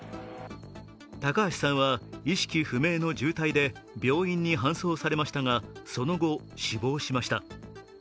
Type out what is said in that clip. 高橋さんは意識不明の重体で病院に搬送されましたが、その後死亡しました。